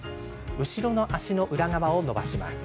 後ろの足の裏側を伸ばします。